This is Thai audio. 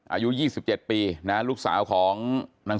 อายุ๒๗ปีนะลูกสาวของนาง